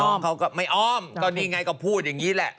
เขาก็ไม่อ้อมก็นี่ไงก็พูดอย่างนี้แหละ